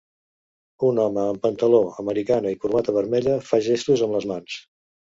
Un home amb pantaló, americana i corbata vermella fa gestos amb les mans.